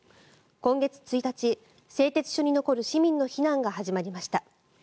今月１日、製鉄所に残る市民の避難が始まりました。